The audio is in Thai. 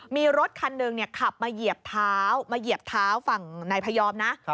มีรถคันหนึ่งขับมาเหยียบเท้าฝั่งในพยอมนะ